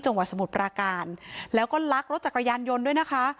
สมุทรปราการแล้วก็ลักรถจักรยานยนต์ด้วยนะคะ